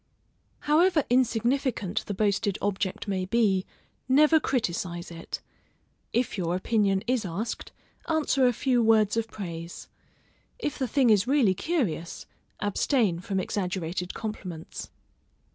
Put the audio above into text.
However insignificant the boasted object may be, never criticise it; if your opinion is asked, answer a few words of praise; if the thing is really curious, abstain from exaggerated compliments.